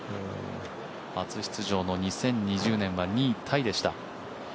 初出場の２０２０年は２位タイでした。